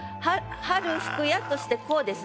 「春更くや」としてこうですね。